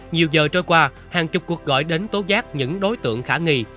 nhiều giờ trôi qua hàng chục cuộc gọi đến tố giác những đối tượng khả nghi